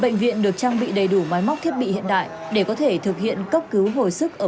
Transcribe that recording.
bệnh viện được trang bị đầy đủ máy móc thiết bị hiện đại để có thể thực hiện cấp cứu hồi sức ở